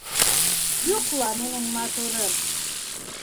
Йоҡла, минең матурым!